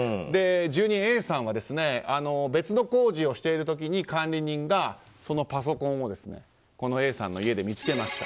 住人Ａさんは別の工事をしている時に管理人がパソコンをＡさんの家で見つけました。